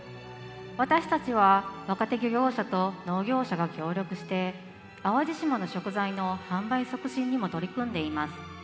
私たちは若手漁業者と農業者が協力して淡路島の食材の販売促進にも取り組んでいます。